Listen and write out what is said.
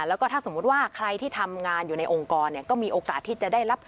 แล้วก็ถ้าสมมุติว่าใครที่ทำงานอยู่ในองค์กรเนี่ยก็มีโอกาสที่จะได้รับ